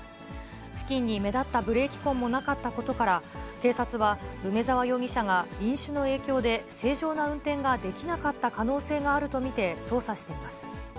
付近に目立ったブレーキ痕もなかったことから、警察は、梅沢容疑者が飲酒の影響で、正常な運転ができなかった可能性があると見て、捜査しています。